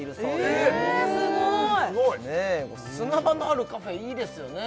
すごい砂場のあるカフェいいですよね